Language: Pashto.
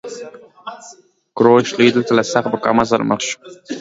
کوروش لوی دلته له سخت مقاومت سره مخ شو